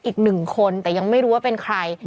อีกหนึ่งคนแต่ยังไม่รู้ว่าเป็นใคร